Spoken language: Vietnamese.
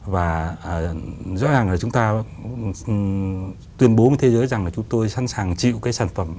và rõ ràng là chúng ta tuyên bố với thế giới rằng là chúng tôi sẵn sàng chịu cái sản phẩm